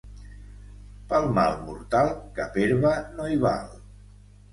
Pel mal mortal cap herba no hi val.